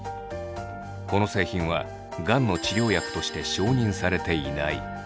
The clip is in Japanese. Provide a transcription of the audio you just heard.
この製品はがんの治療薬として承認されていない。